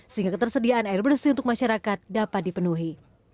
sehingga ketersediaan air bersih untuk masyarakat dapat dipenuhi